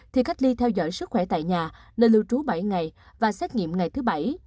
thì cách ly theo dõi sức khỏe tại nhà nơi lưu trú bảy ngày và xét nghiệm ngày thứ bảy